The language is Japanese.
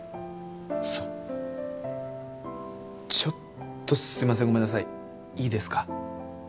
そうちょっとすいませんごめんなさいいいですか？